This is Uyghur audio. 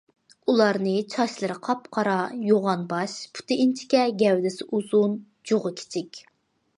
ئۇلارنى چاچلىرى قاپقارا، يوغان باش، پۇتى ئىنچىكە، گەۋدىسى ئۇزۇن، جۇغى كىچىك.